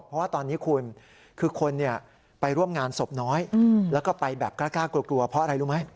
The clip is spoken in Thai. เพราะว่าตอนนี้คุณคือคนไปร่วมงานศพน้อยแล้วก็ไปแบบกล้ากลัวเพราะอะไรรู้ไหม